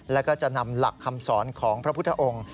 แล้วก็จะนำหลักคำสอนของพระพุทธองค์